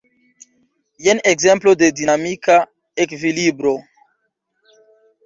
Jen ekzemplo de dinamika ekvilibro.